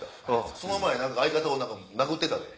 その前相方を殴ってたで。